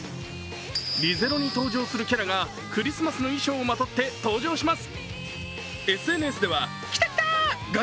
リゼロに登場するキャラがクリスマスの衣装をまとって登場します。